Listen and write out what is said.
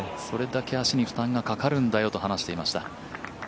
それだけ足に負担がかかるんだよと話していました。